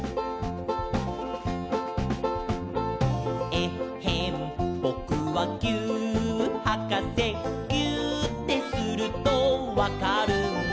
「えっへんぼくはぎゅーっはかせ」「ぎゅーってするとわかるんだ」